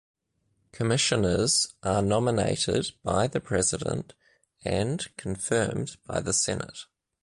Commissioners are nominated by the President and confirmed by the Senate.